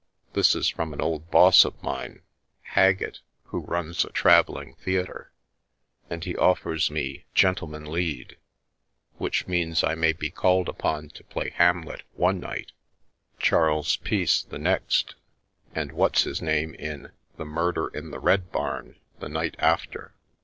This is from an old boss of mine, Haggett, who runs a travelling theatre, and he offers me ' gentlemen lead/ which means I may be called upon to play Hamlet one night, Charles Peace the next, and what's his name in 'The Murder in the Red Barn ' the night after.